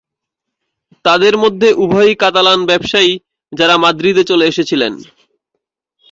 তাদের মধ্যে উভয়ই কাতালান ব্যবসায়ী যারা মাদ্রিদে চলে এসেছিলেন।